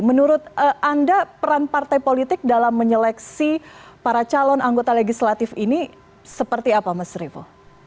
menurut anda peran partai politik dalam menyeleksi para calon anggota legislatif ini seperti apa mas revo